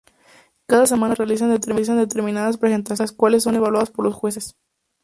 Cada semana realizan determinadas presentaciones, las cuales son evaluadas por los jueces.